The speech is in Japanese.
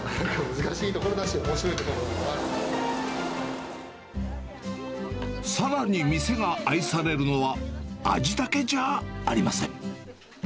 難しいところだし、おもしろいとさらに、店が愛されるのは味だけじゃありません。